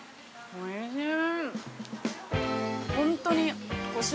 おいしい。